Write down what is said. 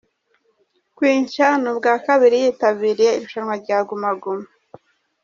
Queen Cha ni ubwa kabiri yitabiriye irushanwa rya Guma Guma